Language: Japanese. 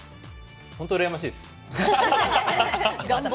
本当に、うらやましいです。